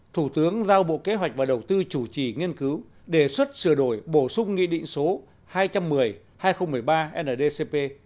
thủ tướng giao bộ kế hoạch và đầu tư chủ trì nghiên cứu đề xuất sửa đổi bổ sung nghị định số hai trăm một mươi hai nghìn một mươi ba ndcp